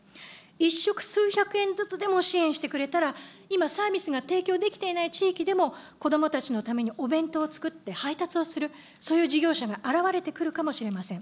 １食数百円ずつでも支援してくれたら、今サービスが提供できていない地域でも、子どもたちのためにお弁当を作って配達をする、そういう事業者が現れてくるかもしれません。